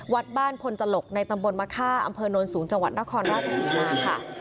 วัดบ้านพลตลกในตำบลมะค่าอำเภอโน้นสูงจังหวัดนครราชศรีมาค่ะ